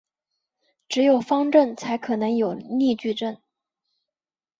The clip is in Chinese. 只有方阵才可能有逆矩阵。